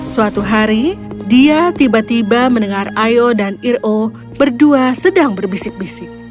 suatu hari dia tiba tiba mendengar ayo dan iro berdua sedang berbisik bisik